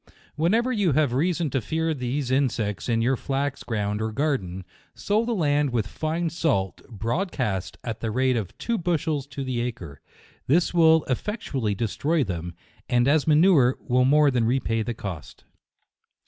Whenever you have reason to fear these insects in your flax ground or garden, sow the land with fine salt, broadcast, at the rate of two bushels to the acre. This will effectually destroy them, and as a manure, will more than repay the cost.